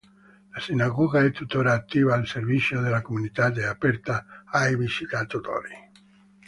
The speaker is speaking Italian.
La sinagoga è tuttora attiva al servizio della comunità e aperta ai visitatori.